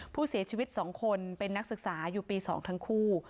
ผู้เสียชีวิต๒คนเป็นนักศึกษาอยู่ปี๒ทั้งคู่